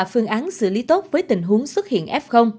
phương án xử lý tốt với tình huống xuất hiện f